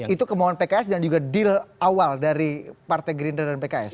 itu kemauan pks dan juga deal awal dari partai gerindra dan pks